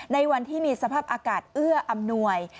ในวันที่มีสภาพอากาศเอื้ออำนวย